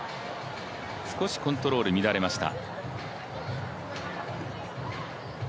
少しコントロール乱れました。